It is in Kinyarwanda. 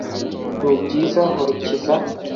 N'ibyiza nkurikiza